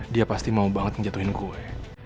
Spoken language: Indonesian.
dia pasti mau banget ngejatuhin gue